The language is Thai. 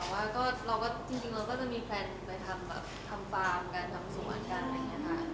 ก็อาจจะ